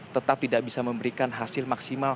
tetap tidak bisa memberikan hasil maksimal